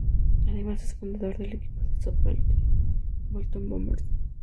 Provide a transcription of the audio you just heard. Además, es fundador del equipo de softball The Bolton Bombers.